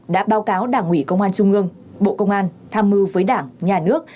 đã báo cáo đảng ủy công an trung ương bộ công an tham mưu với đảng nhà nước